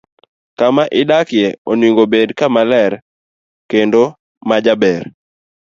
Kama idakie onego obed kama ler kendo ma jaber.